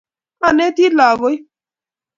aneti lagoik